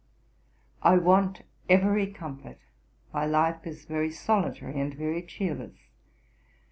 'I want every comfort. My life is very solitary and very cheerless.